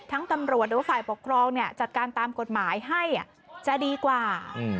ตำรวจหรือว่าฝ่ายปกครองจัดการตามกฎหมายให้จะดีกว่า